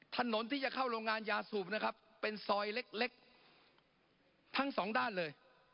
ถนนที่จะเข้าโรงงานยาสูบนะครับเป็นซอยเล็กทั้งสองด้านเลย